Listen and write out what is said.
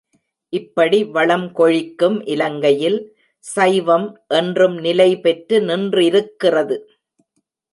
இப்படி வளம் கொழிக்கும் இலங்கையில், சைவம் என்றும் நிலைபெற்று நின்றிருக்கிறது.